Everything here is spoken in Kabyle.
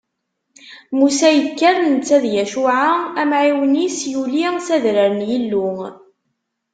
Musa yekker netta d Yacuɛa, amɛiwen-is, yuli s adrar n Yillu.